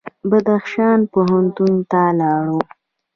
بدخشان پوهنتون ته لاړو.